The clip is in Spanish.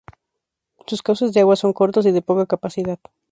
Sus cauces de agua son cortos y de poca capacidad.